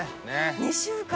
２週間！